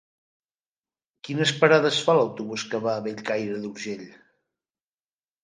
Quines parades fa l'autobús que va a Bellcaire d'Urgell?